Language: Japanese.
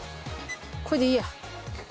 これでいいや。